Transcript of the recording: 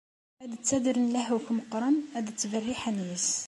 Ad d-ttadren lehhu-k meqqren, ad ttberriḥen yes-s.